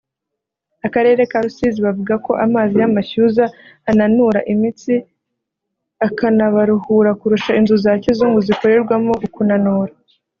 akarere ka Rusizi bavuga ko amazi y’amashyuza ananura imitsi akanabaruhura kurusha inzu za kizungu zikorerwamo ukunanura